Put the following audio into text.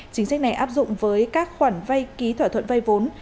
chính sách này áp dụng với các khoản vay ký thỏa thuận vay vốn